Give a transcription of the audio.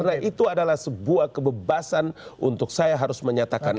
karena itu adalah sebuah kebebasan untuk saya harus menyatakan